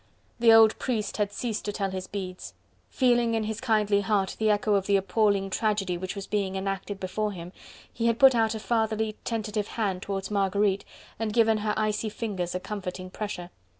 The old priest had ceased to tell his beads. Feeling in his kindly heart the echo of the appalling tragedy which was being enacted before him, he had put out a fatherly, tentative hand towards Marguerite, and given her icy fingers a comforting pressure.